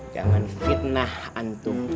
jangan fitnah antung